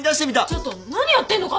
ちょっと何やってんの！？